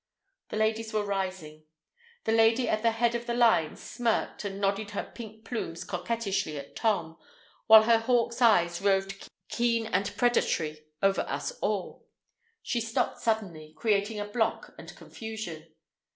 The ladies were rising. The lady at the head of the line smirked and nodded her pink plumes coquettishly at Tom, while her hawk's eyes roved keen and predatory over us all. She stopped suddenly, creating a block and confusion.